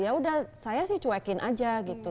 ya udah saya sih cuekin aja gitu